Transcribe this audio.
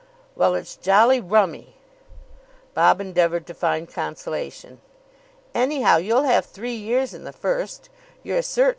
"Well, it's jolly rummy." Bob endeavoured to find consolation. "Anyhow, you'll have three years in the first. You're a cert.